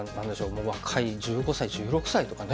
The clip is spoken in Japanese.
もう若い１５歳１６歳とかね。